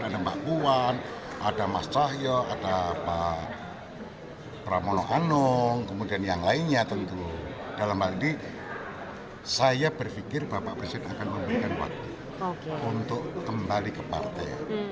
dalam hal ini saya berpikir bapak presiden akan memberikan waktu untuk kembali ke partai